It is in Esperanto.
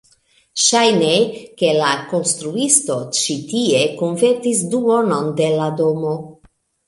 Ŝajne, ke la konstruisto ĉi tie konvertis duonon de la domo